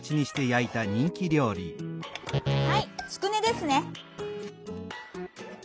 「はいつくねですね」。